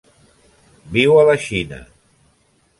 Viu a la Xina.